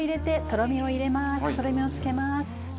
とろみをつけます。